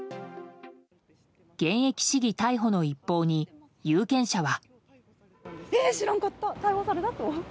現役市議逮捕の一報に、有権者は。